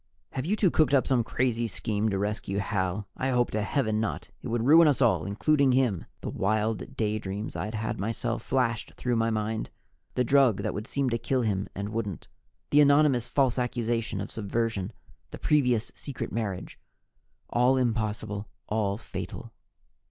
"Have you two cooked up some crazy scheme to rescue Hal? I hope to heaven not! It would ruin all of us, including him!" The wild daydreams I'd had myself flashed through my mind the drug that would seem to kill him and wouldn't, the anonymous false accusation of subversion, the previous secret marriage. All impossible, all fatal.